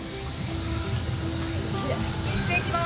いってきます！